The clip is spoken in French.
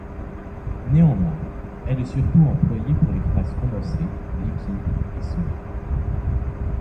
Néanmoins, elle est surtout employée pour les phases condensées liquide et solide.